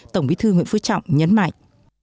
tổng bí thư nguyễn phú trọng nhấn mạnh